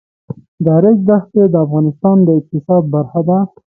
د ریګ دښتې د افغانستان د اقتصاد برخه ده.